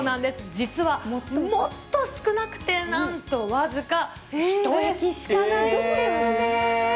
実はもっと少なくて、なんと僅か１駅しかないんですね。